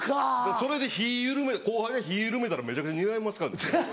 それで後輩が火緩めたらめちゃめちゃにらみますから僕。